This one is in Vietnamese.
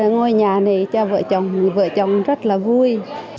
ngôi nhà này cho vợ chồng vợ chồng rất là vui